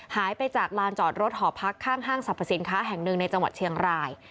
หายไปจากลานจอดรถหอพักข้างห้างสรรพสินค้าแห่งหนึ่งในจังหวัดเชียงราย